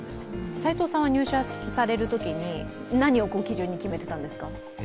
齋藤さんは入社するときに何を基準に決めていたんですか？